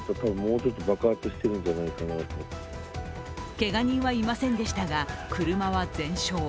けが人はいませんでしたが車は全焼。